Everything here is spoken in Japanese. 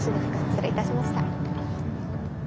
失礼いたしました。